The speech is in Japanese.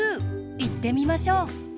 いってみましょう！